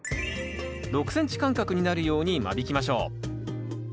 ６ｃｍ間隔になるように間引きましょう。